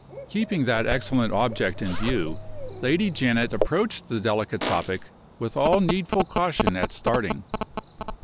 Keeping that excellent object in view, Lady Janet approached the delicate topic with all needful caution at starting.